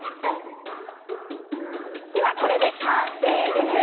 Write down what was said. ではこれで完成です！